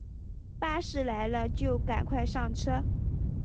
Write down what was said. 巴士来了就赶快上车